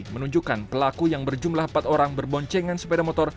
menunjukkan pelaku yang berjumlah empat orang berboncengan sepeda motor